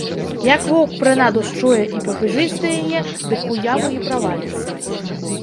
Як воўк прынаду счуе і пабяжыць да яе, дык у яму і праваліцца.